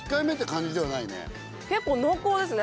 結構濃厚ですね。